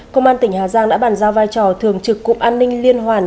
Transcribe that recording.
công an tỉnh hà giang đã bàn giao vai trò thường trực cụm an ninh liên hoàn